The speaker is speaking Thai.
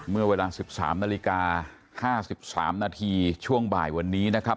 เมื่อเวลาสิบสามนาฬิกาห้าสิบสามนาทีช่วงบ่ายวันนี้นะครับ